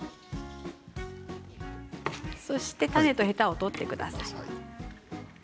そして種とヘタを取ってください。